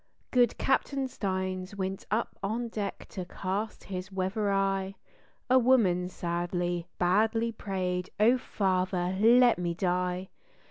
Good Capt. Stines went up on deck to cast his weather eye; A woman sadly, badly prayed "Oh, Father, let me die!"